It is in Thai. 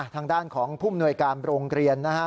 ทางด้านของภูมิหน่วยการโรงเรียนนะครับ